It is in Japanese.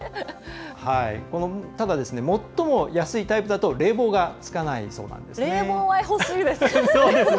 ただ、最も安いタイプだと冷房がつかないそうなんですね。